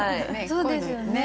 そうですよね。